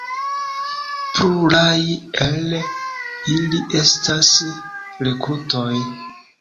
Pluraj el ili estas rekrutoj.